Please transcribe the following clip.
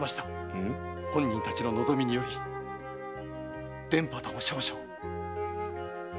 本人たちの望みにより田畑を少々。